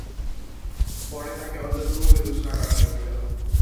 পরে তাকে অযোগ্য বলে ঘোষণা করা হয়েছিল।